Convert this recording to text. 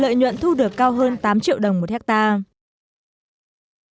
lợi nhuận thu được cao hơn tám triệu đồng một hectare